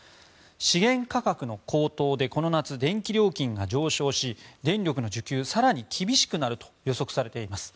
資源価格の高騰でこの夏、電気料金が高騰し電力の需給は更に厳しくなると予測されています。